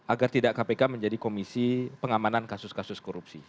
agar tidak kpk menjadi komisi pengamanan kasus kasus korupsi